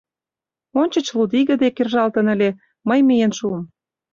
— Ончыч лудиге дек кержалтын ыле, мый миен шуым.